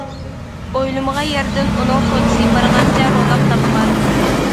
ئويلىمىغان يەردىن ئۇنىڭ سودىسى بارغانچە روناق تاپقان.